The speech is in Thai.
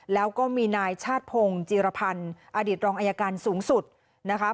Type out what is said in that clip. แล้วก็มีนายชาติพงศ์จีรพันธ์อดีตรองอายการสูงสุดนะคะ